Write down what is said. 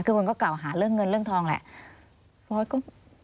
คือคนก็กล่าวหาเรื่องเงินเรื่องทองแหละ